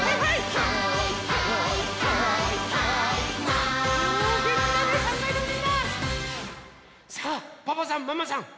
「はいはいはいはいマン」さあパパさんママさん